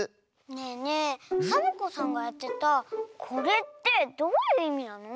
ねえねえサボ子さんがやってたこれってどういういみなの？